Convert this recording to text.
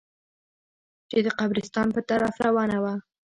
چې د قبرستان په طرف روانه وه.